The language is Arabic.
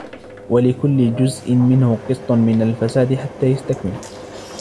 وَلِكُلِّ جُزْءٍ مِنْهُ قِسْطٌ مِنْ الْفَسَادِ حَتَّى يَسْتَكْمِلَ